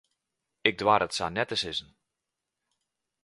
Ik doar it sa net te sizzen.